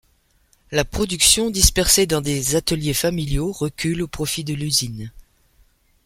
La production dispersée dans des ateliers familiaux recule au profit de l'usine.